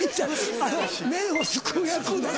麺をすくうやつね。